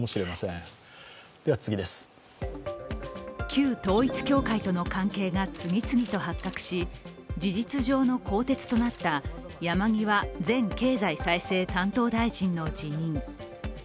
旧統一教会との関係が次々と発覚し事実上の更迭となった山際前経済再生担当大臣の辞任。